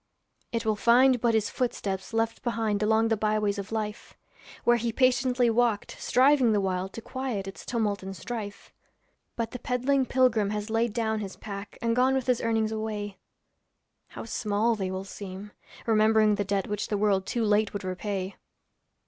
It will find but his footsteps left behind Along the byways of life, Where he patiently walked, striving the while To quiet its tumult and strife. But the peddling pilgrim has laid down his pack And gone with his earnings away; How small will they seem, remembering the debt Which the world too late would repay.